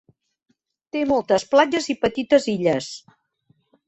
Té moltes platges i petites illes.